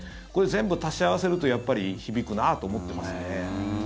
これ、全部足し合わせるとやっぱり響くなと思ってますね。